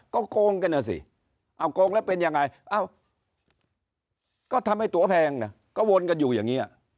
ก็โกงกันนะสิเอาโกงแล้วเป็นยังไงเอ้าก็ทำให้ตัวแพงนะก็วนกันอยู่อย่างนี้